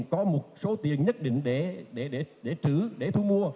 có một số tiền nhất định để trữ để thu mua